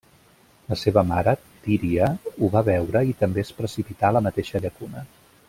La seva mare, Tíria, ho va veure i també es precipità a la mateixa llacuna.